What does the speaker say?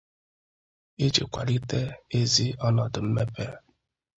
iji kwalite ezi ọnọdụ mmepe